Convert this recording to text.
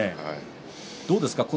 どうですか？